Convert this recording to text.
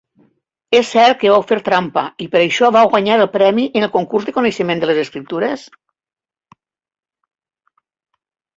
És cert que vau fer trampa i per això vau guanyar el premi en el concurs de coneixement de les Escriptures?